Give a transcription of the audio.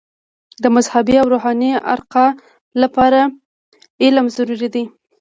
د مذهبي او روحاني ارتقاء لپاره علم ضروري دی.